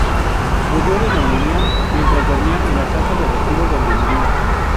Murió de neumonía mientras dormía en la casa de retiro donde vivía.